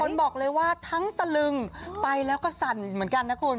คนบอกเลยว่าทั้งตะลึงไปแล้วก็สั่นเหมือนกันนะคุณ